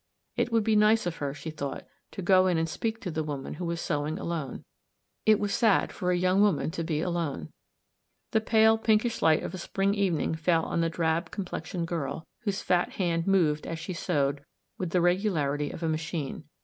It would be nice of her, she thought, to go in and speak to the woman who was sewing alone. It was sad for a young woman to be alone. The pale, pinkish light of a spring evening fell on a drab complexioned girl, whose fat hand moved, as she sewed, with the regu larity of a machine.